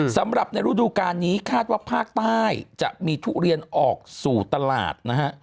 สำหรับในฤดูการนี้คาดว่าภาคใต้จะมีทุเรียนออกสู่ตลาดนะฮะ